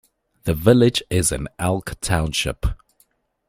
The village is in Elk Township.